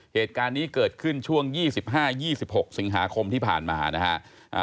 เหตุการณ์นี้เกิดขึ้นช่วง๒๕๒๖สิงหาคมที่ผ่านมานะฮะ